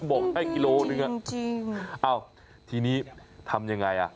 บอกให้กิโลกรัมนึงนะเอ้าทีนี้ทำอย่างไร